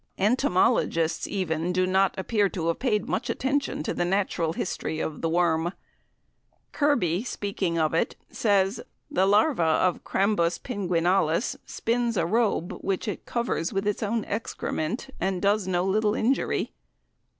Entomologists even do not appear to have paid much attention to the natural history of the "Worm." Kirby, speaking of it, says, "the larvae of Crambus pinguinalis spins a robe which it covers with its own excrement, and does no little injury."